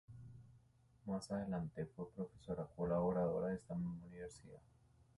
Más adelante, fue profesora colaboradora de esta misma universidad.